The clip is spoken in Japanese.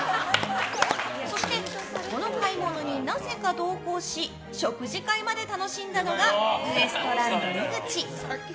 そして、この買い物になぜか同行し食事会まで楽しんだのがウエストランド井口。